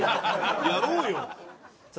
やろうよ。